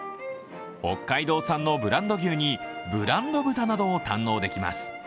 北海道産のブランド牛にブランド豚などを堪能できます。